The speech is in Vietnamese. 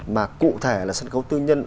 mà cụ thể là sân khấu tư nhân